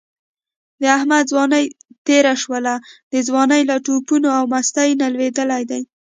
د احمد ځواني تېره شوله، د ځوانۍ له ټوپونو او مستۍ نه لوېدلی دی.